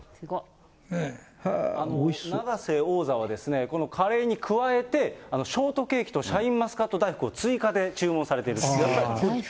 永瀬王座はこのカレーに加えて、ショートケーキとシャインマスカット大福を注文されているんです。